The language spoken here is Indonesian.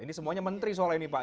ini semuanya menteri soal ini pak